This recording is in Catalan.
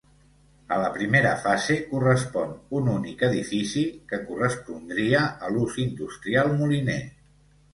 A la primera fase correspon un únic edifici que correspondria a l’ús industrial moliner.